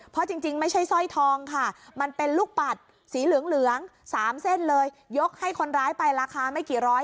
เพราะจริงไม่ใช่สร้อยทองค่ะมันเป็นลูกปัดสีเหลืองเหลือง๓เส้นเลยยกให้คนร้ายไปราคาไม่กี่ร้อย